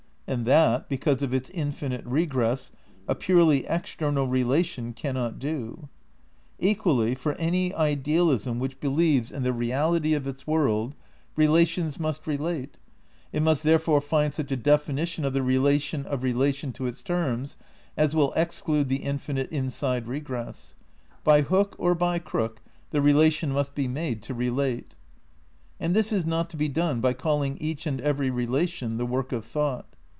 And that, because of its infinite regress, a purely ex ternal relation cannot do. Equally, for any idealism which believes in the real ' Appearance and Seality, pp. 25 34. " See A Defence of Idealism, pp. 183, 184, 223, 238. 238 THE NEW IDEALISM vi ity of its world, relations must relate. It must there fore find such a definition of the relation of relation to its terms as will exclude the infinite inside regress. By hook or by crook the relation must be made to relate. And this is not to be done by calling each and every relation the work of thought.